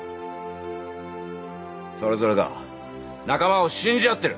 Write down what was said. それぞれが仲間を信じ合ってる。